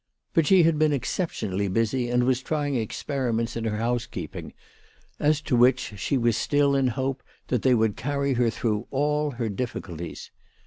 But she had been exceptionally busy, and was trying experiments in her housekeeping, as to which she was still in hope that they would carry her through all her difficulties.